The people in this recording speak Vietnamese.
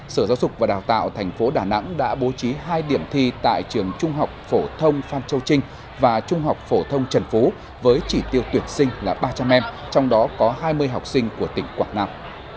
sở giáo dục và đào tạo thành phố đà nẵng đã bố trí hai điểm thi tại trường trung học phổ thông phan châu trinh và trung học phổ thông trần phú với chỉ tiêu tuyển sinh là ba trăm linh em trong đó có hai mươi học sinh của tỉnh quảng nam